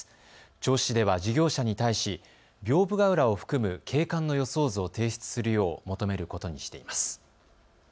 銚子市では事業者に対し屏風ケ浦を含む景観の予想図を提出するよう求めることにしています。